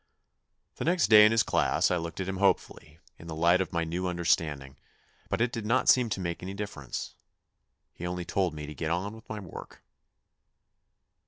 The next day in his class, I looked at him hopefully, in the light of my new understand ing, but it did not seem to make any difference. He only told me to get on with my work.